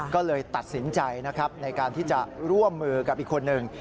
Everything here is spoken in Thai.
ก็เลยตัดสินใจนะครับในการที่จะร่วมมือกับอีกคนหนึ่ง